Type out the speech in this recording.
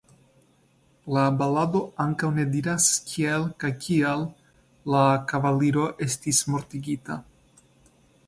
La balado ankaŭ ne diras kiel kaj kial la kavaliro estis mortigita.